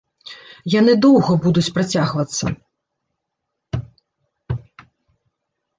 Яны доўга будуць працягвацца.